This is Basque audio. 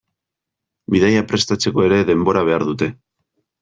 Bidaia prestatzeko ere denbora behar dute.